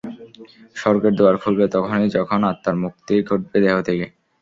স্বর্গের দুয়ার খুলবে তখনই যখন আত্মার মুক্তি ঘটবে দেহ থেকে।